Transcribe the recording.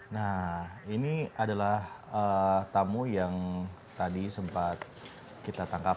nah ini adalah tamu yang tadi sempat kita tangkap